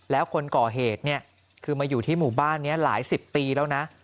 แล้วคนก่อเหตุเนี่ยคือมาอยู่ที่หมู่บ้านนี้หลายสิบปีแล้วนะ